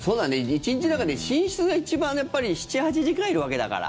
１日の中で寝室が一番やっぱり７８時間いるわけだから。